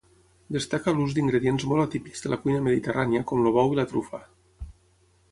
Destaca l'ús d'ingredients molt atípics de la cuina mediterrània com el bou i la trufa.